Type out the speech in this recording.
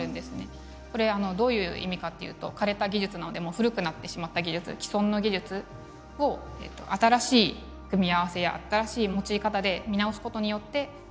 これはどういう意味かっていうと枯れた技術なので古くなってしまった技術既存の技術を新しい組み合わせや新しい用い方で見直すことによって全く新しい商品を作っていこうと。